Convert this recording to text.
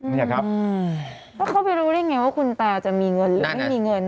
เนี่ยครับแล้วเขาไปรู้ได้ไงว่าคุณตาจะมีเงินหรือไม่มีเงิน